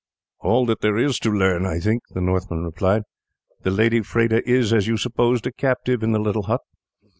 "All that there is to learn, I think," the Northman replied. "The lady Freda is, as you supposed, a captive in the little hut.